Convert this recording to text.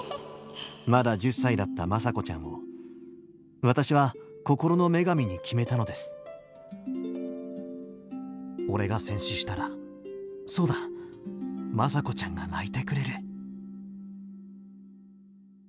まだ１０歳だった眞佐子ちゃんを私は心の女神に決めたのです俺が戦死したらそうだ眞佐子ちゃんが泣いてくれる。